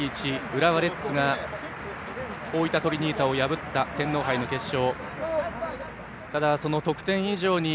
浦和レッズが大分トリニータを破った天皇杯の決勝。